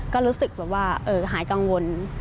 ก็รู้สึกหายกังวล